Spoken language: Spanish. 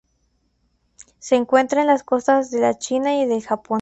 Se encuentra en las costas de la China y del Japón.